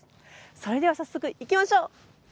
それでは早速行きましょう。